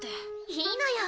いいのよ。